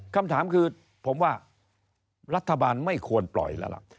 คำถามคือผมว่ารัฐบาลไม่ควรปล่อยแล้วล่ะ